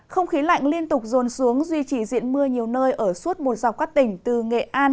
không khí lạnh liên tục dồn xuống duy trì diện mưa nhiều nơi ở suốt một dọc các tỉnh từ nghệ an